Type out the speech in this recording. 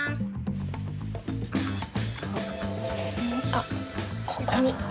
あっここに。